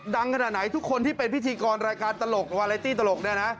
ดังขนาดไหนทุกคนที่เป็นพิธีกรรายการตลกวาไลตี้ตลกเนี่ยนะ